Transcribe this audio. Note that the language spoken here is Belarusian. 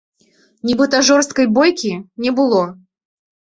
Нібыта жорсткай бойкі не было.